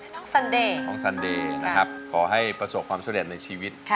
น้องซันเดย์ขอให้ประสบความโชคเรียนในชีวิต